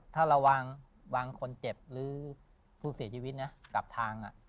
ถ้าระวังวางคนเจ็บหรือผู้เสียชีวิตนะกับทาง